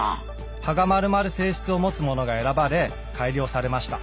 葉が丸まる性質を持つものが選ばれ改良されました。